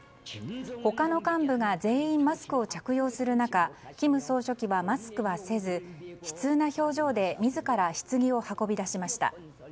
他の幹部が全員マスクを着用する中金総書記はマスクはせず悲痛な表情で自ら棺を運び出しました。